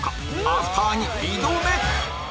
アフターに挑め！